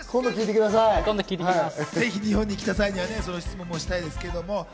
日本に来た際にはその質問をしたいですね。